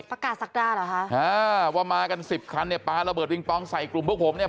ประกาศศักดาเหรอคะอ่าว่ามากันสิบคันเนี่ยปลาระเบิดปิงปองใส่กลุ่มพวกผมเนี่ย